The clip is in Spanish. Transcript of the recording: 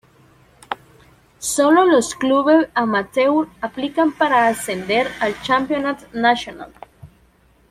Sólo los clubes amateur aplican para ascender al Championnat National.